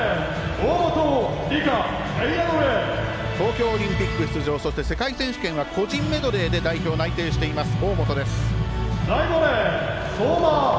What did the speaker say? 東京オリンピック出場そして世界選手権は個人メドレーで代表内定しています、大本です。